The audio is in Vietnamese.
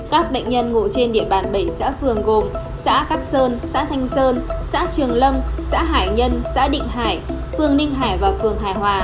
các bệnh nhân ngộ trên địa bàn bảy xã phường gồm xã cát sơn xã thanh sơn xã trường lâm xã hải nhân xã định hải phương ninh hải và phường hải hòa